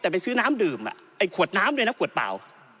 แต่ไปซื้อน้ำดื่มไอ้ขวดน้ำด้วยนะขวดเปล่า